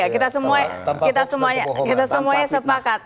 kita semuanya sepakat